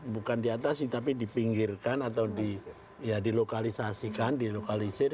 bukan di atasi tapi dipinggirkan atau dilokalisasi kan dilokalisir